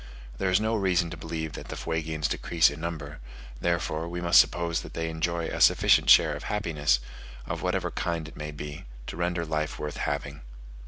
There is no reason to believe that the Fuegians decrease in number; therefore we must suppose that they enjoy a sufficient share of happiness, of whatever kind it may be, to render life worth having.